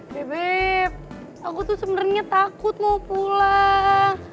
bebe aku tuh sebenernya takut mau pulang